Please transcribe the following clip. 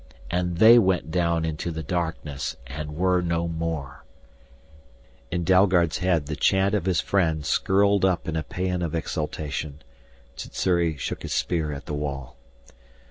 And they went down into the darkness and were no more " In Dalgard's head the chant of his friend skirled up in a paean of exultation. Sssuri shook his spear at the wall.